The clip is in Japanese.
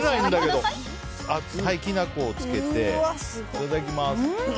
いただきます。